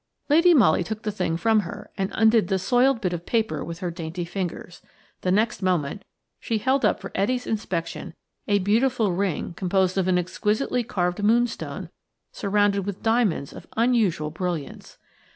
Lady Molly took the thing from her, and undid the soiled bit of paper with her dainty fingers. The next moment she held up for Etty's inspection a beautiful ring composed of an exquisitely carved moonstone surrounded with diamonds of unusual brilliance.